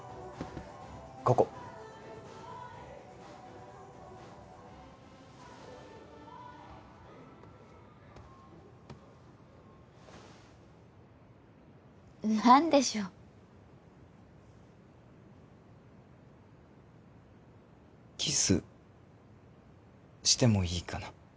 ここ何でしょうキスしてもいいかな？